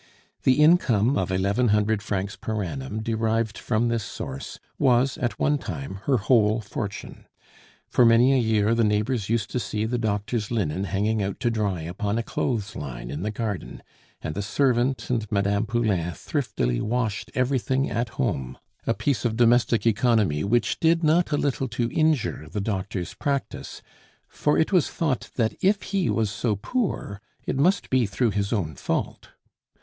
The income of eleven hundred francs per annum derived from this source was, at one time, her whole fortune. For many a year the neighbors used to see the doctor's linen hanging out to dry upon a clothes line in the garden, and the servant and Mme. Poulain thriftily washed everything at home; a piece of domestic economy which did not a little to injure the doctor's practice, for it was thought that if he was so poor, it must be through his own fault.